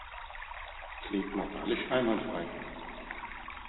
Klingt moralisch einwandfrei.